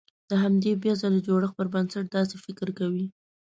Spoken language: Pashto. د همدې بيا ځلې جوړښت پر بنسټ داسې فکر کوي.